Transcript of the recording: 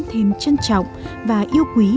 thêm trân trọng và yêu quý